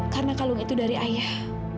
karena kalung itu dari ayah